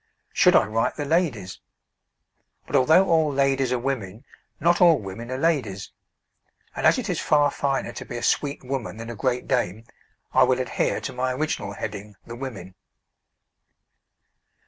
Should I write 'The Ladies'? But although all ladies are women, not all women are ladies, and as it is far finer to be a sweet woman than a great dame, I will adhere to my original heading, 'The Women.'